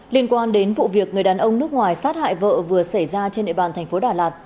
liên quan đến vụ việc người đàn ông nước ngoài sát hại vợ vừa xảy ra trên địa bàn thành phố đà lạt